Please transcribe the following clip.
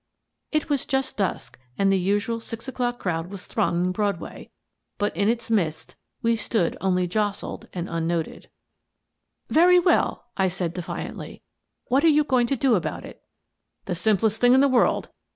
It was just dusk, and the usual six o'clock crowd was thronging Broadway, but in its midst we stood only jostled and unnoted. My Friend, the Thief 239 " Very well," I said, defiantly, " what are you going to do about it?" " The simplest thing in the world